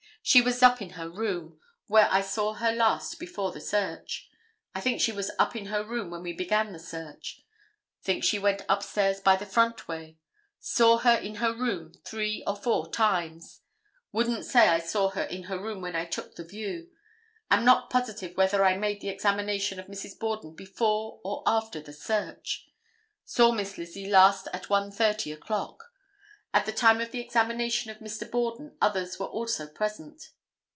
She was up in her room, where I saw her last before the search. I think she was up in her room when we began the search; think she went upstairs by the front way; saw her in her room three or four times; wouldn't say I saw her in her room when I took the view; am not positive whether I made the examination of Mrs. Borden before or after the search; saw Miss Lizzie last at 1:30 o'clock. At the time of the examination of Mr. Borden others were also present.